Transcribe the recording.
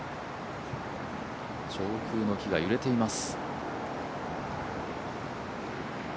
上空の木が揺れています。